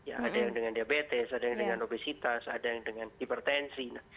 ada yang dengan diabetes ada yang dengan obesitas ada yang dengan hipertensi